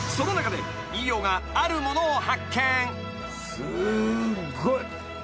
すごい。